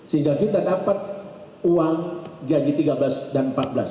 sehingga kita dapat uang gaji tiga belas dan empat belas